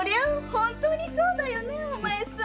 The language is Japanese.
本当にそうだよねえお前さん。